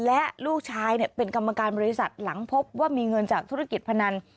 และลูกชายเป็นกรรมการบริษัทหลังพบว่ามีเงินจากธุรกิจพนัน